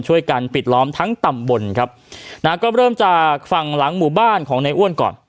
ช่วยกันปิดล้อมทั้งตำบลครับนะฮะก็เริ่มจากฝั่งหลังหมู่บ้านของในอ้วนก่อน